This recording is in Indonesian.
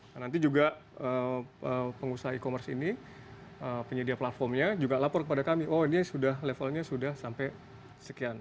nah nanti juga pengusaha e commerce ini penyedia platformnya juga lapor kepada kami oh ini sudah levelnya sudah sampai sekian